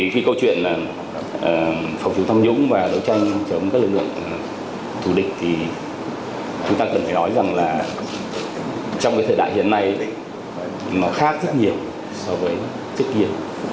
khi câu chuyện phục vụ tâm nhũng và đấu tranh chống các lực lượng thủ địch thì chúng ta cần phải nói rằng là trong cái thời đại hiện nay nó khác rất nhiều so với trước kia